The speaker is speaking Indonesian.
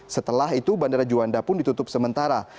setelah itu bandara juanda pun ditutup sementara